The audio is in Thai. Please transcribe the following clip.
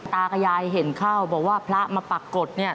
ตากับยายเห็นเข้าบอกว่าพระมาปรากฏเนี่ย